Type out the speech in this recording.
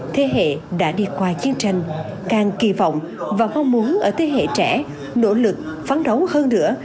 thế hệ đã đi qua chiến tranh càng kỳ vọng và mong muốn ở thế hệ trẻ nỗ lực phấn đấu hơn nữa